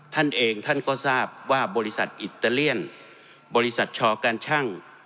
ท่านเองท่านก็ทราบว่าบริษัทอิตาเลียนบริษัทชอการชั่ง